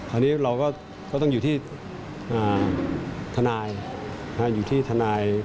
อันนี้เราก็ต้องอยู่ที่ทนาย